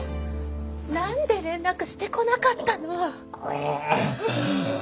なんで連絡してこなかったの？